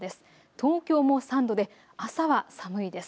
東京も３度で朝は寒いです。